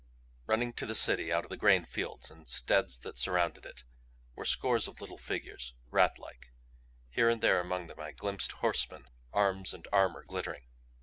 Running to the city out of the grain fields and steads that surrounded it, were scores of little figures, rat like. Here and there among them I glimpsed horsemen, arms and armor glittering.